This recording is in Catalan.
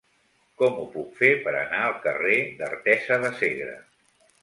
Com ho puc fer per anar al carrer d'Artesa de Segre?